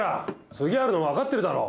次あるの分かってるだろ。